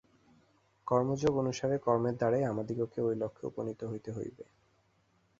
কর্মযোগ অনুসারে কর্মের দ্বারাই আমাদিগকে ঐ লক্ষ্যে উপনীত হইতে হইবে।